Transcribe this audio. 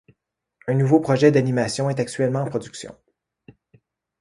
Un nouveau projet d'animation est actuellement en production.